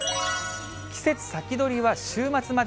季節先取りは週末まで。